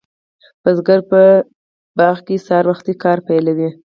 بزګر په پټي کې سهار وختي کار پیلوي.